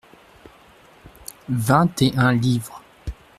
Vingt et un livres.